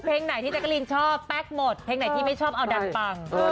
ไหนที่แจ๊กรีนชอบแป๊กหมดเพลงไหนที่ไม่ชอบเอาดันปัง